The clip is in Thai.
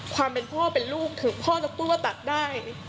ความเป็นพ่อเป็นลูกถึงพ่อจะพูดว่าตัดได้